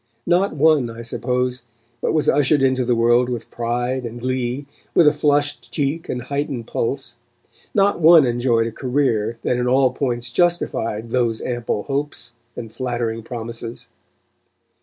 Not one, I suppose, but was ushered into the world with pride and glee, with a flushed cheek and heightened pulse; not one enjoyed a career that in all points justified those ample hopes and flattering promises.